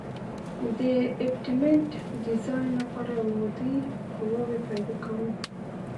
د ابټمنټ ډیزاین لپاره عمودي قواوې پیدا کوو